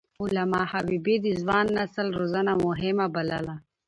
علامه حبيبي د ځوان نسل روزنه مهمه بلله.